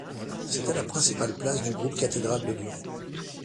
C'était la principale place du groupe cathédral de Lyon.